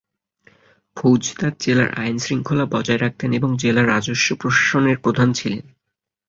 ফৌজদার জেলার আইন-শৃঙ্খলা বজায় রাখতেন এবং জেলার রাজস্ব প্রশাসনের প্রধান ছিলেন।